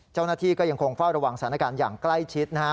เจ้าหน้าที่ก็ยังคงเฝ้าระวังสถานการณ์อย่างใกล้ชิดนะฮะ